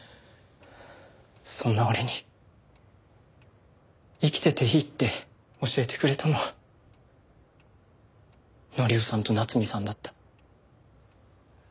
そんな俺に生きてていいって教えてくれたのは紀夫さんと夏美さんだった。